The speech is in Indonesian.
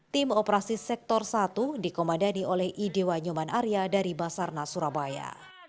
tim operasi sektor satu dikomadani oleh idewa nyoman arya dari basarnas surabaya